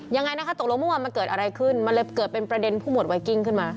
ยังไงนะคะตกลงเมื่อวานมันเกิดอะไรขึ้นมันเลยเกิดเป็นประเด็นผู้หวดไวกิ้งขึ้นมา